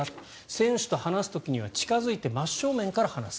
選手と話す時には近付いて真正面から話す。